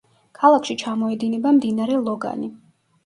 ქალაქში ჩამოედინება მდინარე ლოგანი.